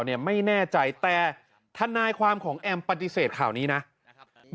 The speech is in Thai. เนี่ยไม่แน่ใจแต่ทนายความของแอมปฏิเสธข่าวนี้นะครับ